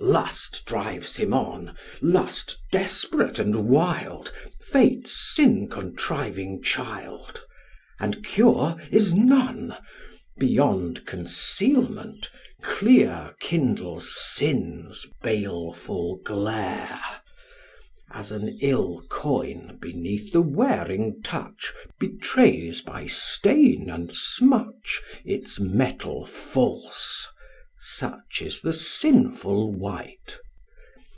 Lust drives him on lust, desperate and wild Fate's sin contriving child And cure is none; beyond concealment clear Kindles sin's baleful glare. As an ill coin beneath the wearing touch Betrays by stain and smutch Its metal false such is the sinful wight.